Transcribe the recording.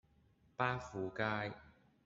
巴富街